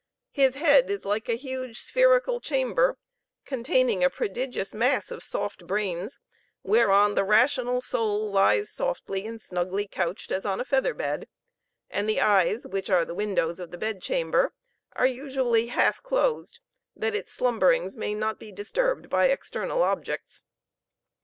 His head is like a huge spherical chamber, containing a prodigious mass of soft brains, whereon the rational soul lies softly and snugly couched, as on a feather bed; and the eyes which are the windows of the bedchamber, are usually half closed, that its slumberings may not be disturbed by external objects.